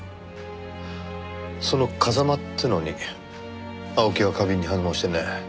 その風間ってのに青木が過敏に反応してね。